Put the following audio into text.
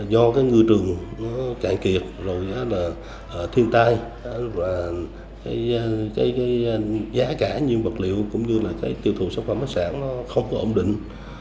do ngư trường cạn kiệt thiên tai giá cả những vật liệu cũng như tiêu thụ sản phẩm hải sản không ổn định